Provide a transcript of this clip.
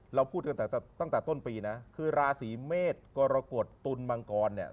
เราพูดตั้งแต่ต้นปีนะคือราศีเมษร์กรกฎตุลมังกร